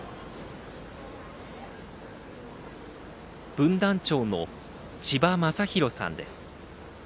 分団長の千葉正宏さんです。